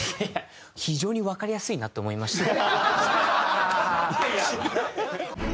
非常にわかりやすいなって思いました。